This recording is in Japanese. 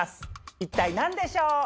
一体何でしょう？